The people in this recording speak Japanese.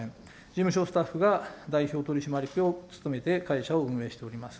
事務所スタッフが代表取締役を務めて会社を運営しております。